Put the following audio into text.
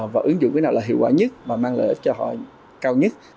và ứng dụng cái nào là hiệu quả nhất và mang lợi ích cho họ cao nhất